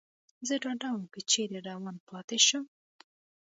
زه ډاډه ووم، که چېرې روان پاتې شم.